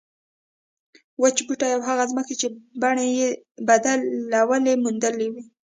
وچ بوټي او هغه ځمکې چې بڼې یې بدلون موندلی وي.